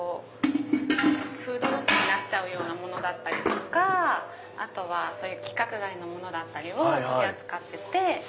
フードロスになっちゃうようなものだったりあとは規格外のものだったりを取り扱ってて。